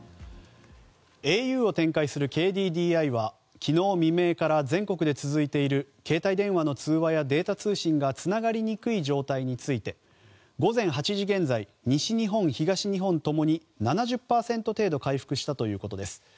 ａｕを展開するＫＤＤＩは昨日未明から全国で続いている携帯電話の通話やデータ通信がつながりにくい状態について午前８時現在西日本、東日本共に７０％程度回復したということです。